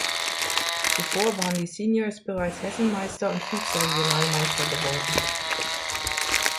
Zuvor waren die Seniors bereits Hessenmeister und Vize-Regionalmeister geworden.